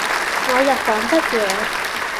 我入房執野